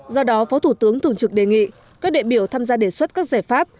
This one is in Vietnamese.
do đó phó thủ tướng thường trực đề nghị các đệ biểu tham gia đề xuất các giải pháp